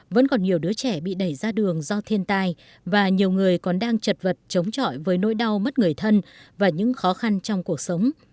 vẫn còn nhiều đứa trẻ bị đẩy ra đường do thiên tai và nhiều người còn đang chật vật chống chọi với nỗi đau mất người thân và những khó khăn trong cuộc sống